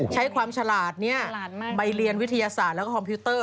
ใช้ความฉลาดใบเรียนวิทยาศาสตร์และคอมพิวเตอร์